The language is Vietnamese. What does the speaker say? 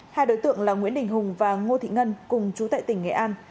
hai đối tượng là nguyễn đình hùng và ngô thị ngân cùng chú tại tỉnh nghệ an